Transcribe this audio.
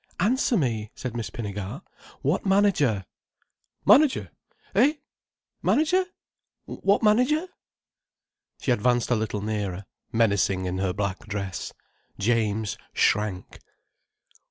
"Answer me," said Miss Pinnegar. "What manager?" "Manager? Eh? Manager? What manager?" She advanced a little nearer, menacing in her black dress. James shrank.